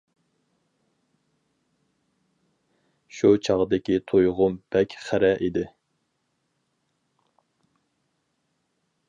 شۇ چاغدىكى تۇيغۇم بەك خىرە ئىدى.